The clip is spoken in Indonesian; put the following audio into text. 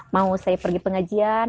mau saya pergi pengajian